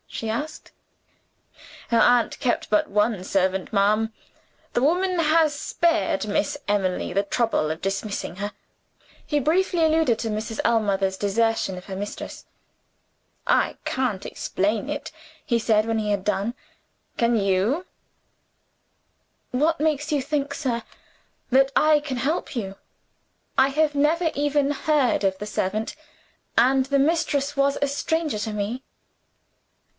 she asked. "Her aunt kept but one servant, ma'am. The woman has spared Miss Emily the trouble of dismissing her." He briefly alluded to Mrs. Ellmother's desertion of her mistress. "I can't explain it," he said when he had done. "Can you?" "What makes you think, sir, that I can help you? I have never even heard of the servant and the mistress was a stranger to me."